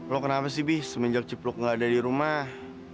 lo kenapa sih bi semenjak cipluk nggak ada di rumah